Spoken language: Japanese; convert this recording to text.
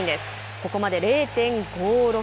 ここまで０．５６。